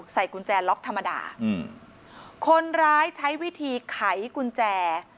ใส่กุญแจล็อกธรรมดาอืมคนร้ายใช้วิธีไขกุญแจ